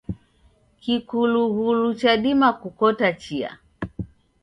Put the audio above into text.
Kikulughulu chadima kukota chia.